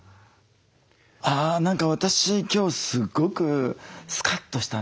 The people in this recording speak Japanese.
あ何か私今日すごくスカッとしたんですよ。